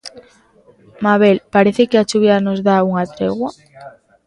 Mabel, parece que a chuvia nos dá unha tregua?